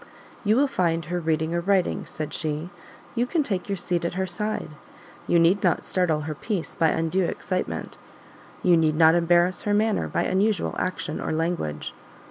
"You will find her reading or writing," said she; "you can take your seat at her side; you need not startle her peace by undue excitement; you need not embarrass her manner by unusual action or language.